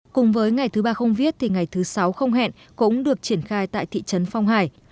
cùng với ngày thứ ba không viết thì ngày thứ sáu không hẹn cũng được triển khai tại thị trấn phong hải